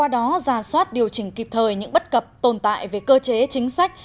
đó ra soát điều chỉnh kịp thời những bất cập tồn tại về cơ chế chính sách